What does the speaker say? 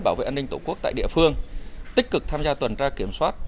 bảo vệ an ninh tổ quốc tại địa phương tích cực tham gia tuần tra kiểm soát